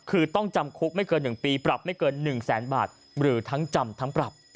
คือต้องจำคุกไม่เกิน๑ปีปรับไม่เกิน๑แสนบาทหรือทั้งจำทั้งปรับ